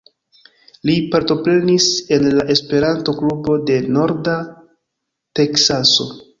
Li partoprenis en la Esperanto Klubo de Norda Teksaso.